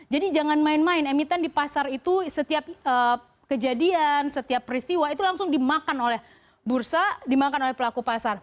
jadi jangan main main emiten di pasar itu setiap kejadian setiap peristiwa itu langsung dimakan oleh bursa dimakan oleh pelaku pasar